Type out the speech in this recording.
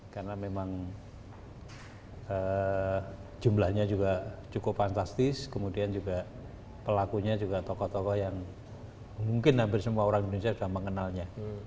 karena memang jumlahnya juga cukup fantastis kemudian juga pelakunya juga tokoh tokoh yang mungkin hampir semua orang indonesia sudah mengenalnya